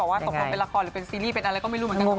ว่าตกลงเป็นละครหรือเป็นซีรีส์เป็นอะไรก็ไม่รู้เหมือนกัน